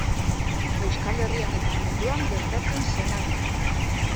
Euskal Herrian eta munduan gertatzen zenari.